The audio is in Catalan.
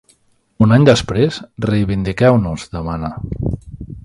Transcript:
Un any després, reivindiqueu-nos, demana.